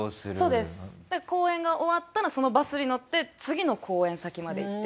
で公演が終わったらそのバスに乗って次の公演先まで行って。